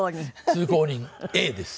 通行人Ａです。